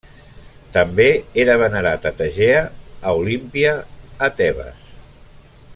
També era venerat a Tegea, a Olímpia, a Tebes.